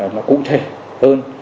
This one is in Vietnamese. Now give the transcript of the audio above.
nó cụ thể hơn